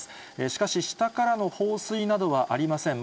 しかし、下からの放水などはありません。